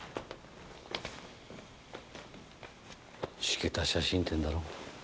しけた写真展だろ？